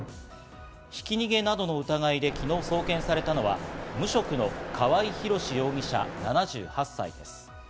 ひき逃げなどの疑いで昨日送検されたのは無職の川合広司容疑者７８歳です。